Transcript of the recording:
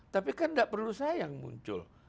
tapi kan nggak perlu saya yang muncul